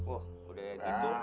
oh udah ya dito